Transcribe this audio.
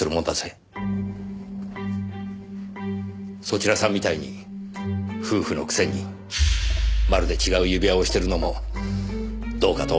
そちらさんみたいに夫婦のくせにまるで違う指輪をしてるのもどうかと思うがね。